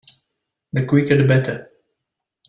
The quicker the better.